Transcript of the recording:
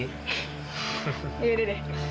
iya udah deh